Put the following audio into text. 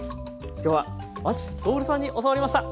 今日は和知徹さんに教わりました。